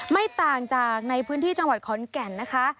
ไม่ต่างจากในพื้นที่จังหวัดขอนแก่นนะคะ